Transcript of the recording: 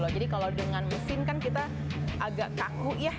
kalau dengan mesin kan kita agak kaku ya